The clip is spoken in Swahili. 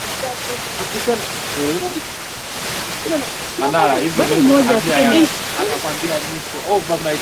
Mafua ya ndege ni jambo kubwa na zito mno Katika makala haya tutaangalia ugonjwa